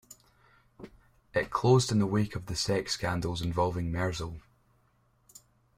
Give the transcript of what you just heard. It closed in the wake of the sex scandals involving Merzel.